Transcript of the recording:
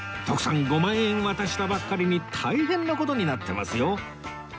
徳さん５万円渡したばっかりに大変な事になってますよ